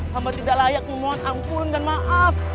hamba tidak layak memohon ampunan dan maaf